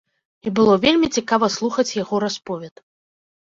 І было вельмі цікава слухаць яго расповед.